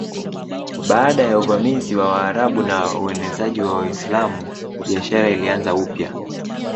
Baada ya uvamizi wa Waarabu na uenezaji wa Uislamu biashara ilianza upya.